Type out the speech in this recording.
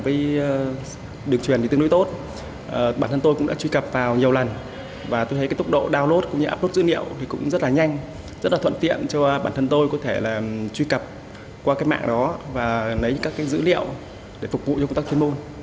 tôi được truyền thì tương đối tốt bản thân tôi cũng đã truy cập vào nhiều lần và tôi thấy cái tốc độ download cũng như appot dữ liệu thì cũng rất là nhanh rất là thuận tiện cho bản thân tôi có thể là truy cập qua cái mạng đó và lấy những các cái dữ liệu để phục vụ cho công tác chuyên môn